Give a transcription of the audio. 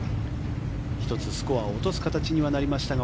１つスコアを落とす形にはなりましたが